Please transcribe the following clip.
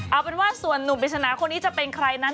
เอาเป็นว่าส่วนหนุ่มนิดหน้าคนที่จะเป็นใครฉลาดนั้น